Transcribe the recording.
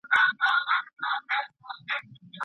د قرنطین مرکزونه چيري جوړ شول؟